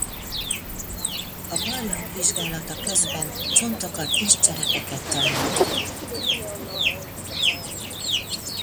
A barlang vizsgálata közben csontokat és cserepeket talált.